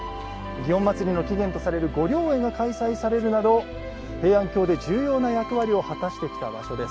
祇園祭の起源とされる御霊会が開催されるなど平安京で重要な役割を果たしてきた場所です。